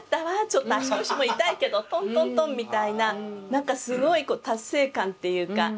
ちょっと足腰も痛いけどトントントン」みたいな何かすごい達成感っていうか。